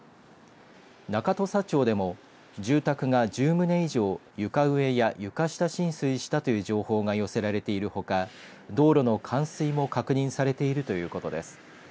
中土佐町でも住宅が１０棟以上床上や床下浸水したという情報が寄せられているほか道路の冠水も確認されているということです。